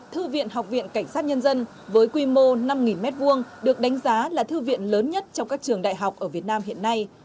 thư viện học viện cảnh sát nhân dân với quy mô năm m hai được đánh giá là thư viện lớn nhất trong các trường đại học ở việt nam hiện nay